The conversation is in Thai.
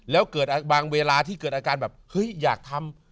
แล้วเกิดบางเวลาที่เกิดอาการแบบเฮ้ยอยากทำ